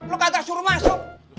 lo kagak suruh masuk